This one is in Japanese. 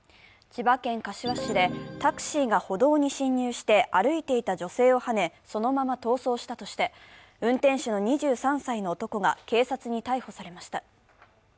千葉県柏市でタクシーが歩道に進入して歩いていた女性をはね、そのまま逃走したとして運転手の２３歳の男が警察に逮捕されました。